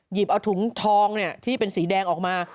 หยิบเอาถุงทองที่เป็นสีแดงออกมา